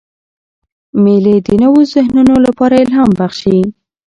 مېلې د نوو ذهنونو له پاره الهام بخښي.